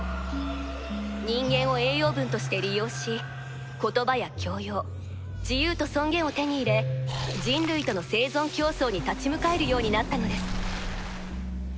人間を栄養分として利用し言葉や教養自由と尊厳を手に入れ人類との生存競争に立ち向かえるようになったのです